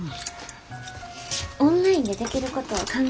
オンラインでできることを考えるわ。